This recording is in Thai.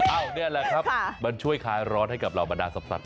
นี่แหละครับมันช่วยคลายร้อนให้กับเหล่าบรรดาสับสัตว